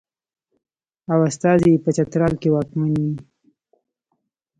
او استازی یې په چترال کې واکمن وي.